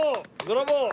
ブラボー！